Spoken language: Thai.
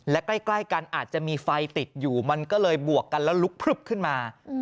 และใกล้กันอาจจะมีไฟติดอยู่มันก็เลยบวกกันแล้วลุกพลึบขึ้นมา